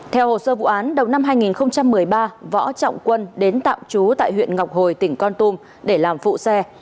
theo hồ sơ vụ án đầu năm hai nghìn một mươi ba võ trọng quân đến tạm trú tại huyện ngọc hồi tỉnh con tum để làm phụ xe